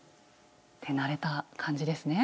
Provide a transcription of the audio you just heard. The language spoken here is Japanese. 手慣れた感じですね。